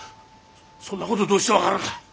そんな事どうして分かるんだ？